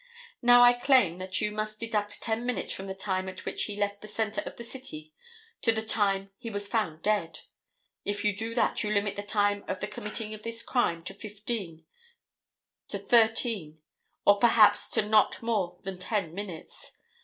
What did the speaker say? Now, I claim that you must deduct ten minutes from the time at which he left the centre of the city to the time he was found dead. If you do that you limit the time of the committing of this crime to fifteen, to thirteen, or perhaps to not more than ten minutes.